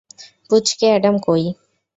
পুচকে অ্যাডাম কই?